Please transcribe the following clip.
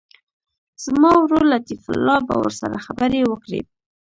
زما ورور لطیف الله به ورسره خبرې وکړي.